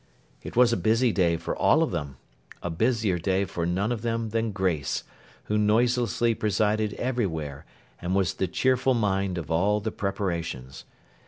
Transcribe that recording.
It was a busy day for all of them: a busier day for none of them than Grace, who noiselessly presided everywhere, and was the cheerful mind of all the preparations.